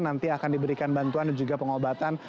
nanti akan diberikan bantuan dan juga pengobatan